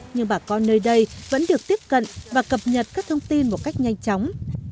nhưng bà con nơi đây vẫn được tiếp cận và cập nhật các thông tin một cách nhanh chóng